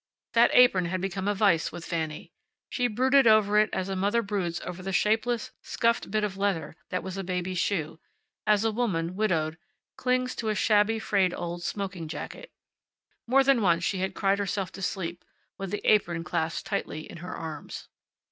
That apron had become a vice with Fanny. She brooded over it as a mother broods over the shapeless, scuffled bit of leather that was a baby's shoe; as a woman, widowed, clings to a shabby, frayed old smoking jacket. More than once she had cried herself to sleep with the apron clasped tightly in her arms.